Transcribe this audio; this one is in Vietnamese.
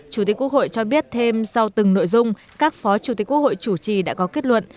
chủ tịch quốc hội cho biết thêm sau từng nội dung các phó chủ tịch quốc hội chủ trì đã có kết luận